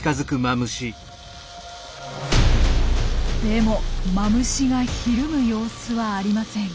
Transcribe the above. でもマムシがひるむ様子はありません。